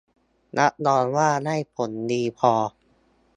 รับรองว่าได้ผลดีพอ